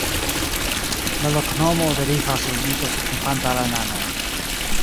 La loknomo derivas el mito signifanta "la nano".